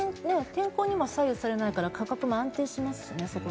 天候にも左右されないから価格も安定しますしね。